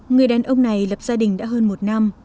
người đàn ông này lập gia đình đã hơn một năm